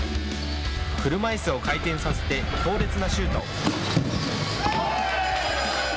車いすを回転させて強烈なシュート。